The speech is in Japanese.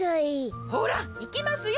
ほらいきますよ。